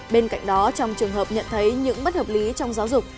bên cạnh đó trong trường hợp nhận thấy những bất hợp lý trong giáo dục